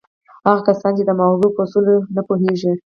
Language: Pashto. هغه کسان چې د ماغزو په اصولو نه پوهېږي.